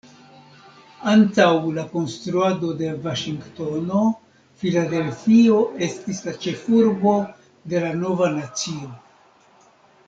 Antaŭ la konstruado de Vaŝingtono, Filadelfio estis la ĉefurbo de la nova nacio.